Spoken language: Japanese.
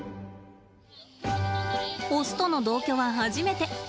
オスとの同居は初めて。